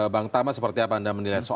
bang tama seperti apa anda menilai